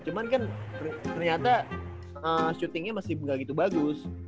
cuman kan ternyata shootingnya masih gak gitu bagus